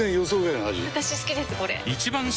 私好きですこれ！